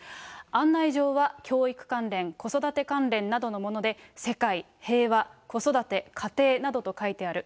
案内状は教育関連、子育て関連などのもので、世界、平和、子育て、家庭などと書いてある。